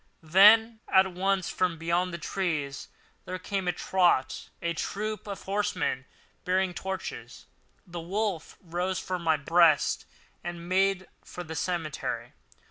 Then all at once from beyond the trees there came at a trot a troop of horsemen bearing torches. The wolf rose from my breast and made for the cemetery.